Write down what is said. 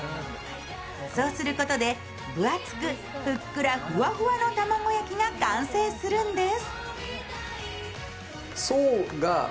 そうすることで分厚くふっくらふわふわの卵焼きが完成するんです。